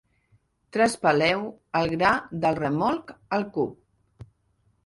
Traspaleu el gra del remolc al cup.